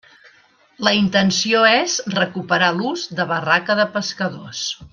La intenció és recuperar l'ús de barraca de pescadors.